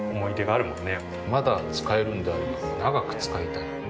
まだ使えるんであれば長く使いたい。